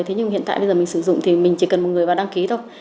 thế nhưng hiện tại bây giờ mình sử dụng thì mình chỉ cần một người vào đăng ký thôi